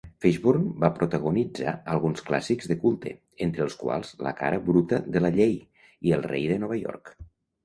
Fishburne va protagonitzar alguns clàssics de culte, entre els quals "La cara bruta de la llei" i "El rei de Nova York".